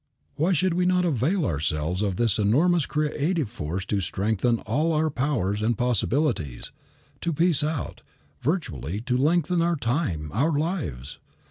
Why should we not avail ourselves of this enormous creative force to strengthen all our powers and possibilities, to piece out, virtually to lengthen our time, our lives?